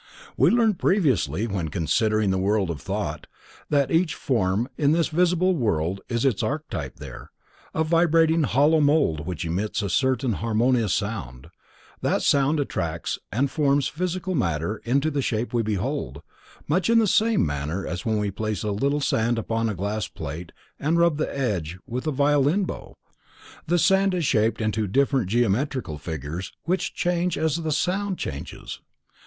We learned previously, when considering the World of Thought, that each form in this visible world has its archetype there,—a vibrating hollow mold which emits a certain harmonious sound; that sound attracts and forms physical matter into the shape we behold, much in the same manner as when we place a little sand upon a glass plate and rub the edge with a violin bow, the sand is shaped into different geometrical figures which change as the sound changes.